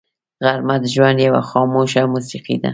غرمه د ژوند یوه خاموش موسیقي ده